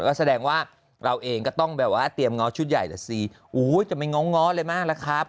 ก็แสดงว่าเราเองก็ต้องแบบว่าเตรียมง้อชุดใหญ่แหละสิจะไม่ง้อง้ออะไรมากล่ะครับ